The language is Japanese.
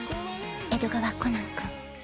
江戸川コナン君。